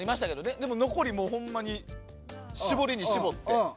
でも、残りほんまに絞りに絞って。